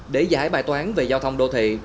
để giải bài toán về giao thông đô thị